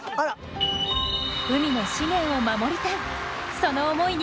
海の資源を守りたい。